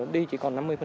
đi chỉ còn năm mươi